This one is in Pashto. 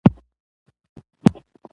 د واورو د اوبو د ساتنې لپاره اقدامات کېږي.